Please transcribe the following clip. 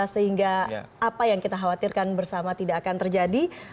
sehingga apa yang kita khawatirkan bersama tidak akan terjadi